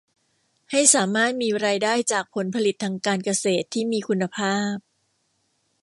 ให้สามารถมีรายได้จากผลผลิตทางการเกษตรที่มีคุณภาพ